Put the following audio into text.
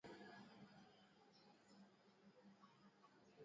baada ya Marekani kutoa ilani ya kusafiri kwa wale wanaotembelea mji wa Kisumu